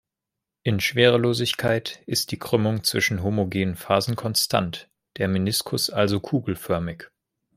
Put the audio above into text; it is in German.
In Schwerelosigkeit ist die Krümmung zwischen homogenen Phasen konstant, der Meniskus also kugelförmig.